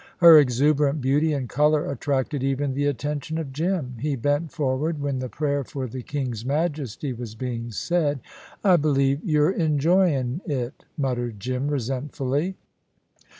Her exuberant beauty and colour attracted even the attention of Jim. He bent forward, when the prayer for the King's Majesty was being said: "I believe you're enjoyin' it," muttered Jim, resentfully.